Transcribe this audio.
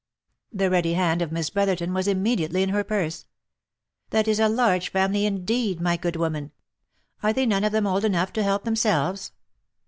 The ready hand of Miss Brotherton was immediately in her purse. " That is a large family indeed, my good woman. Are they none of them old enough to help themselves